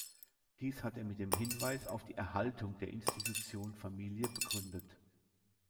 Dies hat er mit dem Hinweis auf die Erhaltung der Institution Familie begründet.